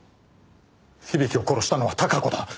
響を殺したのは孝子だ。